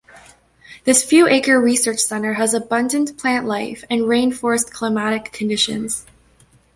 This few acre research center has abundant plant life and rain forest climatic conditions.